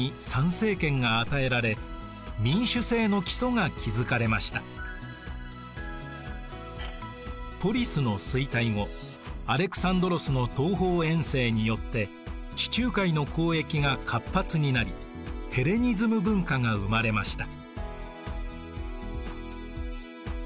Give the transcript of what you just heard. アテネではさまざまな改革が進められポリスの衰退後アレクサンドロスの東方遠征によって地中海の交易が活発になりヘレニズム文化が生まれました。